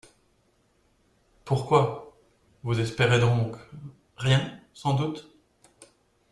Pourquoi ? Vous espérez donc ?… Rien, sans doute.